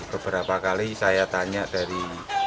beberapa kali saya tanya dari